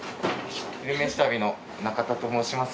「昼めし旅」の中田と申します